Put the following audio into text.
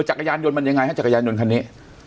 จักรยานยนต์มันยังไงฮะจักรยานยนต์คันนี้